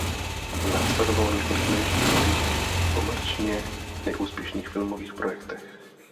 Následovalo několik menších rolí v komerčně neúspěšných filmových projektech.